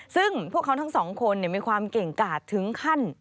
ซึ่งพวกเขาทั้งสองคนมีความเก่งกาดถึงขั้น